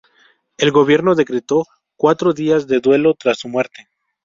El gobierno decretó cuatro días de duelo tras su muerte.